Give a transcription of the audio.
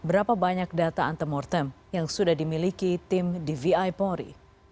berapa banyak data antemortem yang sudah dimiliki tim dvi polri